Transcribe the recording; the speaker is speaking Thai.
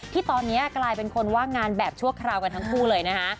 ที่ตอนนี้กลายเป็นคนว่างงานแบบชั่วคราวกันทั้งคู่เลยนะคะ